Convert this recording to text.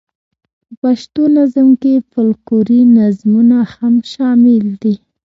په پښتو نظم کې فوکلوري نظمونه هم شامل دي.